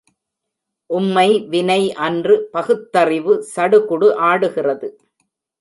உம்மைவினை அன்று, பகுத்தறிவு சடுகுடு ஆடுகிறது!